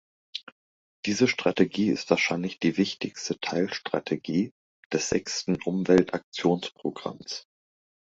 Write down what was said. Diese Strategie ist wahrscheinlich die wichtigste Teilstrategie des sechsten Umweltaktionsprogramms.